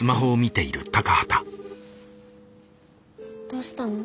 どうしたの？